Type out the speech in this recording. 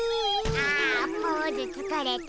あポーズつかれた。